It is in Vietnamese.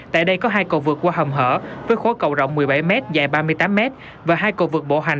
tại đây có hai cầu vượt qua hầm hở với khối cầu rộng một mươi bảy m dài ba mươi tám m và hai cầu vượt bộ hành